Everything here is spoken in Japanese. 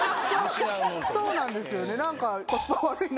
そうなんですよね。